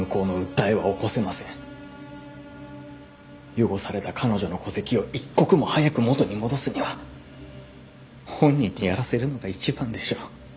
汚された彼女の戸籍を一刻も早く元に戻すには本人にやらせるのが一番でしょ。